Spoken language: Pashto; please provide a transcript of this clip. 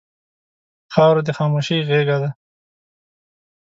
خاوره د خاموشۍ غېږه ده.